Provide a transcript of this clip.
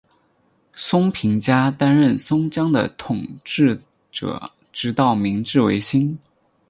松平家担任松江的统治者直到明治维新。